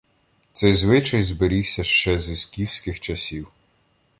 Цей звичай зберігся ще зі скіфських часів.